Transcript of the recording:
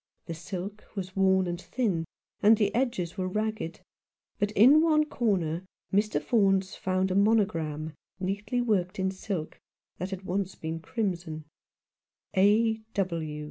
The silk was worn and thin, and the edges were ragged, but in one corner Mr. Faunce found a monogram neatly worked in silk that had once been crimson :" A.